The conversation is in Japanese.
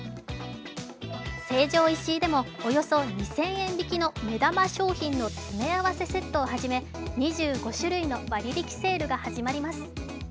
成城石井でもおよそ２０００円引きの目玉商品の詰め合わせセットをはじめ２５種類の割引きセールが始まります。